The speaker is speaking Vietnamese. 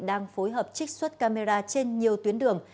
đang phối hợp trích xuất camera trên nhiều tuyến đường